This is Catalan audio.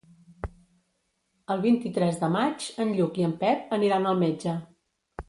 El vint-i-tres de maig en Lluc i en Pep aniran al metge.